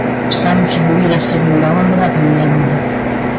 Estamos a vivir a segunda onda da pandemia.